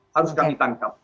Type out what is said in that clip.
harus kami tangkap